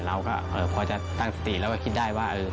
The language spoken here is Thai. เราก็พอจะตั้งสติแล้วก็คิดได้ว่า